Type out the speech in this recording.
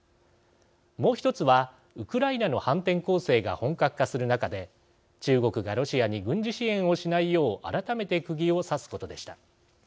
もう１つはウクライナの反転攻勢が本格化する中で、中国がロシアに軍事支援をしないよう改めてくぎを刺すことでした。